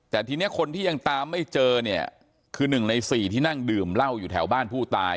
แต่ทีนี้คนที่ยังตามไม่เจอเนี่ยคือ๑ใน๔ที่นั่งดื่มเหล้าอยู่แถวบ้านผู้ตาย